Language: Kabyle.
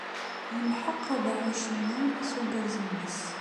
Yemḥeq abeɛɛuc-nni s ugerz-nnes.